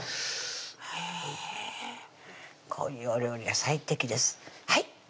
へぇこういうお料理が最適です